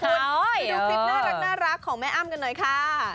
ไปดูคลิปน่ารักของแม่อ้ำกันหน่อยค่ะ